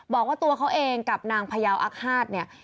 บอกว่าตัวเขาเองกับนางพยาวอักฮาตเนี่ย